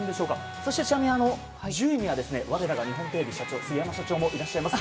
そして、ちなみに１０位には我らが日本テレビの杉山社長もいらっしゃいます。